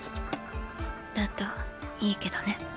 だといいけどね。